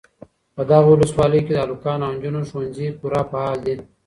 په دغه ولسوالۍ کي د هلکانو او نجونو ښوونځي پوره فعال دي.